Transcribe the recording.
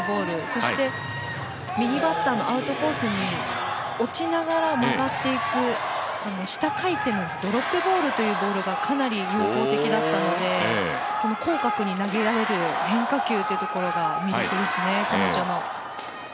そして右バッターのアウトコースに落ちながら曲がっていく下回転のドロップボールというボールがかなり有効的だったのでこの広角に投げられる変化球というのが魅力ですね、彼女の。